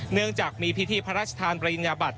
เนื่องจากมีพิธีพระราชทานปริญญาบัติ